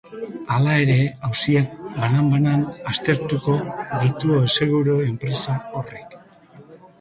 Hala ere, auziak banan-banan aztertuko ditu aseguru-enpresa horrek.